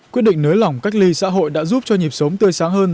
quyết định nới lỏng cách ly xã hội đã giúp cho nhịp sống tươi sáng hơn